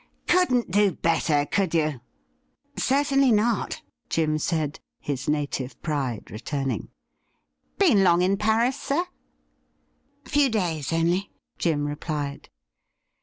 ' Couldn't do better, could you ?' Certainly not,' Jim said, his native pride returning. ' Been long in Paris, sir T ' Few days only,' Jim replied.